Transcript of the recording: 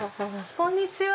こんにちは！